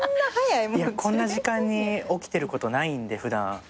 こんな時間に起きてることないんで普段。